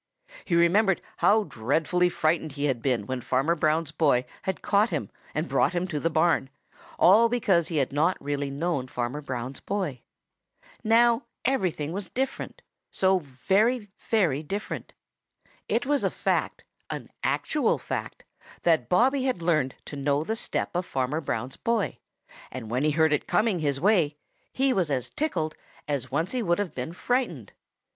He remembered how dreadfully frightened he had been when Farmer Brown's boy had caught him and brought him to the barn, all because he had not really known Farmer Brown's boy. Now everything was different, so very, very different. It was a fact, an actual fact, that Bobby had learned to know the step of Farmer Brown's boy, and when he heard it coming his way, he was as tickled as once he would have been frightened.